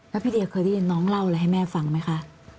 แล้วพี่เดียเคยได้ยินน้องเล่าอะไรให้แม่ฟังไหมคะ